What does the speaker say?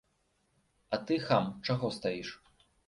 А ты, хам, чаго стаіш?